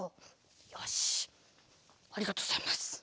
よしありがとうございます。